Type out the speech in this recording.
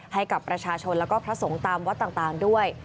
ให้กับประชาชนแล้วก็พระสงฆ์ตามวัดต่างด้วย